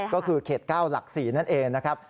ก็คือเขต๙หลัก๔นั่นเองนะครับ